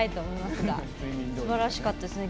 すばらしかったですね。